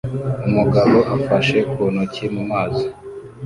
Umugabo afashe ku ntoki mu mazi